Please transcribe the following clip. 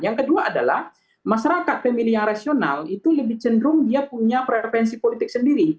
yang kedua adalah masyarakat pemilih yang rasional itu lebih cenderung dia punya preferensi politik sendiri